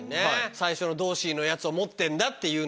最初のドーシーのやつを持ってんだっていうのはね。